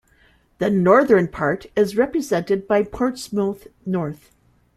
The northern part is represented by Portsmouth North.